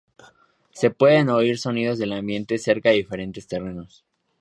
Se pueden oír sonidos del ambiente cerca de diferentes terrenos.